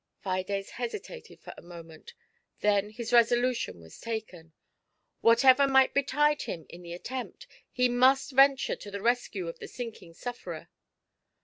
Fides hesitated for a moment, then his resolution was taken ; whatever might betide him in the attempt, he must venture to the rescue of the sinking sufferer.